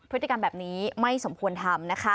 พฤติกรรมแบบนี้ไม่สมควรทำนะคะ